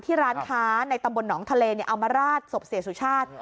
ร้านค้าในตำบลหนองทะเลเอามาราดศพเสียสุชาติ